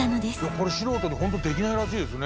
これ素人には本当できないらしいですね。